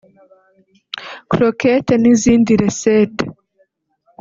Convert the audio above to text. Croquettes n’izindi recettes